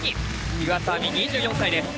湯浅亜実２４歳です。